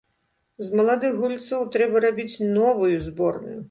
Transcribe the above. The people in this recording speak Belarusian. З маладых гульцоў трэба рабіць новую зборную.